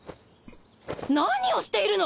何をしているの！